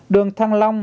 đường thăng long